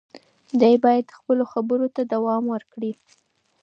دی باید خپلو خبرو ته دوام ورکړي.